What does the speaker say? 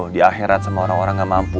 di akhirat sama orang orang gak mampu